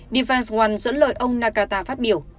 defense one dẫn lời ông nagata phát biểu